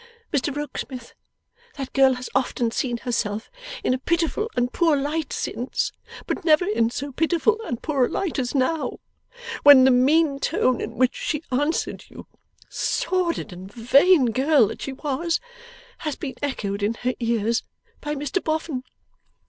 Mr Rokesmith, that girl has often seen herself in a pitiful and poor light since, but never in so pitiful and poor a light as now, when the mean tone in which she answered you sordid and vain girl that she was has been echoed in her ears by Mr Boffin.